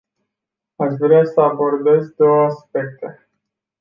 Aș vrea să abordez două aspecte.